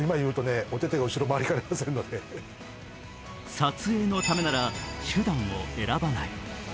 撮影のためなら手段を選ばない。